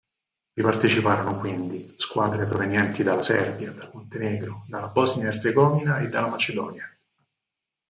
Vi parteciparono quindi squadre provenienti dalla Serbia, dal Montenegro, dalla Bosnia-Erzegovina e dalla Macedonia.